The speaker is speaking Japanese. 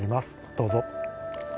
どうぞ。